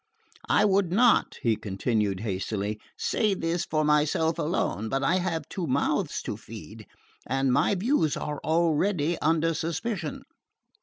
I would not," he continued hastily, "say this for myself alone, but I have two mouths to feed and my views are already under suspicion."